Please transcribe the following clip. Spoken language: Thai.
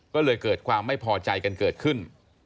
ก็เลยเกิดความไม่พอใจกันเกิดขึ้น